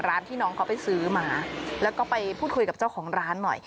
ที่น้องเขาไปซื้อมาแล้วก็ไปพูดคุยกับเจ้าของร้านหน่อย